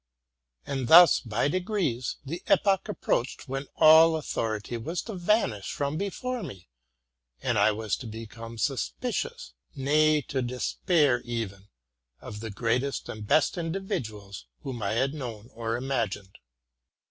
And thus, by degrees, the epoch approached when all authority was to vanish from before me, and I was to become suspicious — nay, to despair, even — of the greatest and best individuals whom I had known or imagined.